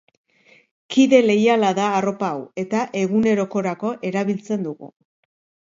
Kide leiala da arropa hau eta egunerokorako erabiltzen dugu.